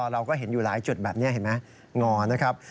เราก็เห็นอยู่หลายจุดแบบนี้เห็นไหมงอนะครับ